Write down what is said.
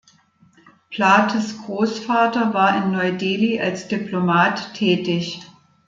Plates Großvater war in Neu-Delhi als Diplomat tätig.